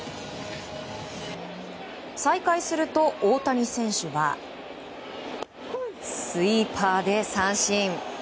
再開すると大谷選手は。スイーパーで三振。